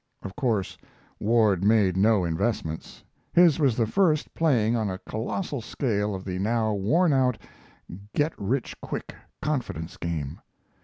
Of course Ward made no investments. His was the first playing on a colossal scale of the now worn out "get rich quick" confidence game.